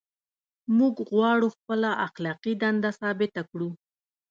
موږ غواړو خپله اخلاقي دنده ثابته کړو.